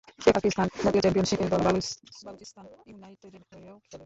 সে পাকিস্তান জাতীয় চ্যাম্পিয়নশিপের দল বালুচিস্তান ইউনাইটেডের হয়েও খেলে।